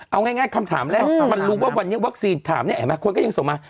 เอาง่ายคำถามแรกมันรู้ว่าวันนี้วัคซีนถามเนี่ยเห็นไหมคนก็ยังส่งมา